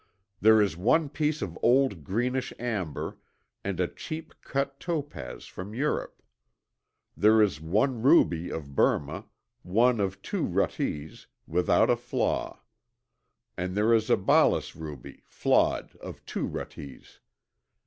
There is one piece of old greenish amber, and a cheap cut topaz from Europe. There is one ruby of Burma, one of two ruttees, without a flaw. And there is a ballas ruby, flawed, of two ruttees.